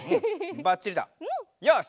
ばっちりだよし！